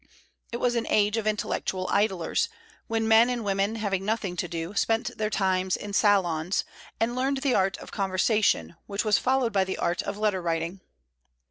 It was an age of intellectual idlers, when men and women, having nothing to do, spent their time in salons, and learned the art of conversation, which was followed by the art of letter writing.